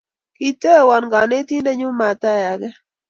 Kiitewon konetindenyu matayai akeny